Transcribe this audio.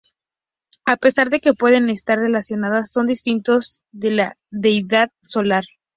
A pesar de que pueden estar relacionados, son distintos de la deidad solar.